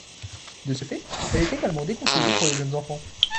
De ce fait, elle est également déconseillée pour les jeunes enfants.